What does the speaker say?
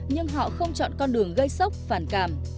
nhưng họ không chọn con đường gây sốc phản cảm